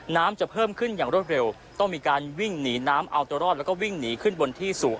น้ำจะเพิ่มขึ้นอย่างรวดเร็วต้องมีการวิ่งหนีน้ำเอาตัวรอดแล้วก็วิ่งหนีขึ้นบนที่สูง